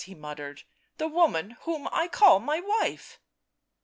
5 ' he muttered; "the woman whom I call my wife